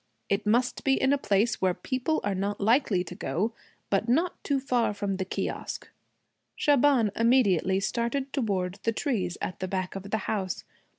'It must be in a place where people are not likely to go, but not too far from the kiosque.' Shaban immediately started toward the trees at the back of the house.